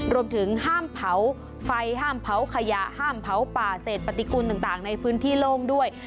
รวมถึงห้ามเผาไฟห้ามเผาขยะห้ามเผาป่าเศษปฏิกูลต่างในพื้นที่โล่งด้วย